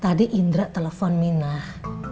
tadi indra telepon minah